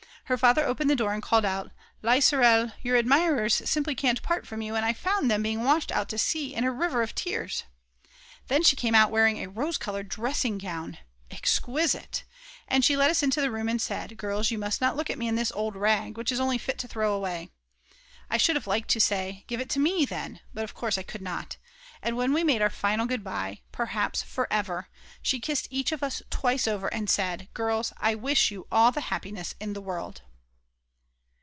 Her father opened the door and called out: Lieserl, your admirers simply can't part from you, and I found them being washed out to sea in a river of tears. Then she came out wearing a rose coloured dressing gown!!! exquisite. And she led us into the room and said: "Girls, you must not look at me in this old rag, which is only fit to throw away." I should have liked to say: "Give it to me then." But of course I could not. And when we made our final goodbye, perhaps for ever, she kissed each of us twice over and said: Girls, I wish you all the happiness in the world!